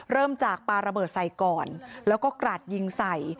เริ่มจากปลาระเบิดใส่ก่อนแล้วก็กราดยิงใส่